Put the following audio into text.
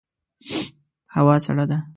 هوا سړه ده